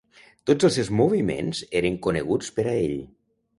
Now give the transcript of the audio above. Tots els seus moviments eren coneguts per a ell.